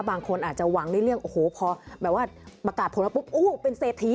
บางคนอาจจะหวังเรื่องแบบว่าประกาศโผล่มาปุ๊บเป็นเศรษฐี